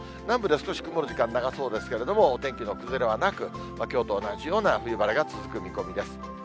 南部で少し曇る時間、長そうですけれども、お天気の崩れはなく、きょうと同じような冬晴れが続く見込みです。